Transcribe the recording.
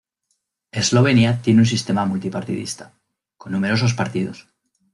Eslovenia tiene un sistema multipartidista, con numerosos partidos.